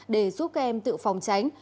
để giúp các em tự phòng tránh